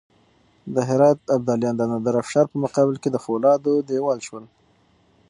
د هرات ابدالیان د نادرافشار په مقابل کې د فولادو دېوال شول.